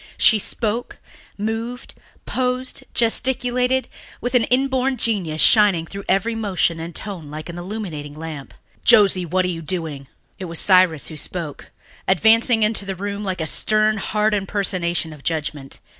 She spoke, moved, posed, gesticulated, with an inborn genius shining through every motion and tone like an illuminating lamp. "Josie, what are you doing?" It was Cyrus who spoke, advancing into the room like a stern, hard impersonation of judgment.